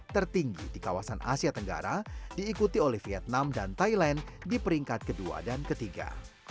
tertinggi di kawasan asia tenggara diikuti oleh vietnam dan thailand di peringkat kedua dan ketiga